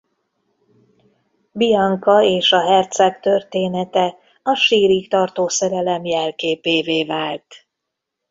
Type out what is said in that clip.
Bianca és a herceg története a sírig tartó szerelem jelképévé vált.